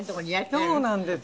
そうなんです。